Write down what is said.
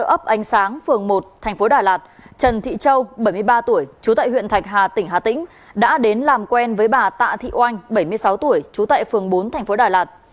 ấp ánh sáng phường một thành phố đà lạt trần thị châu bảy mươi ba tuổi chú tại huyện thạch hà tỉnh hà tĩnh đã đến làm quen với bà tạ thị oanh bảy mươi sáu tuổi trú tại phường bốn thành phố đà lạt